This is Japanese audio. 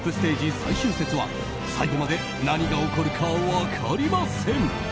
最終節は最後まで何が起こるか分かりません。